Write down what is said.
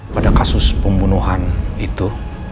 pada kasus pembunuhan itu